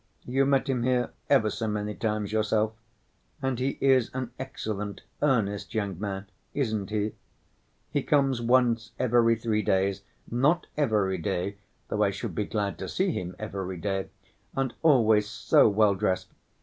You met him here ever so many times yourself. And he is an excellent, earnest young man, isn't he? He comes once every three days, not every day (though I should be glad to see him every day), and always so well dressed.